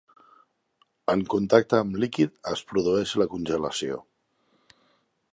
En contacte amb líquid es produeix la congelació.